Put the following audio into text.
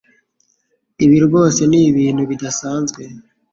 Ibi rwose ni ibintu bidasanzwe.